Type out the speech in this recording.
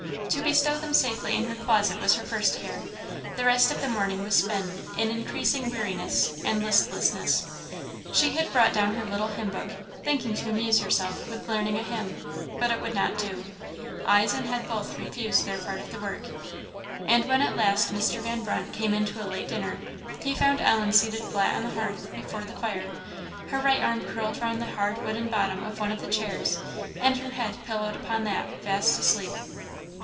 To bestow them safely in her closet was her first care; the rest of the morning was spent in increasing weariness and listlessness. She had brought down her little hymn book, thinking to amuse herself with learning a hymn, but it would not do; eyes and head both refused their part of the work; and when at last Mr. Van Brunt came in to a late dinner, he found Ellen seated flat on the hearth before the fire, her right arm curled round the hard wooden bottom of one of the chairs, and her head pillowed upon that, fast asleep.